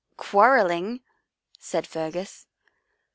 " Quarrelling," said Fergus.